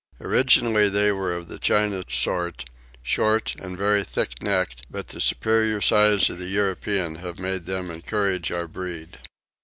Originally they were of the China sort, short and very thick necked; but the superior size of the European have made them encourage our breed.